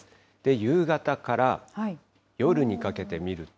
夕方から夜にかけて見ると。